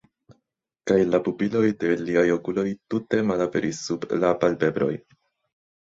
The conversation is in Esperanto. Kaj la pupiloj de liaj okuloj tute malaperis sub la palpebroj.